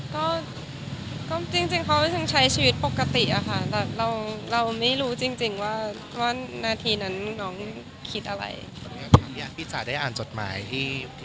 ก็จริงเขาจะใช้ชีวิตปกติอะค่ะแต่เราไม่รู้จริงว่านาทีนั้นน้องคิดอะไร